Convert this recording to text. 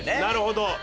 なるほど。